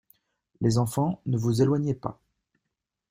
Les enfants, ne vous éloignez pas.